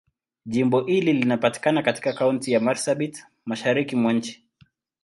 Jimbo hili linapatikana katika Kaunti ya Marsabit, Mashariki mwa nchi.